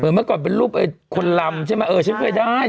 เมื่อก่อนเป็นรูปคนลำใช่ไหมเออฉันเคยได้